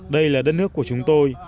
đây là đất nước của chúng tôi